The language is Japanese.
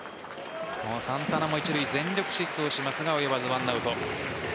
サンタナも一塁全力疾走しますが及ばず１アウト。